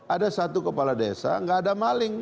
ada satu kepala desa nggak ada maling